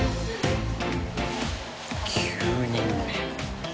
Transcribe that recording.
９人目。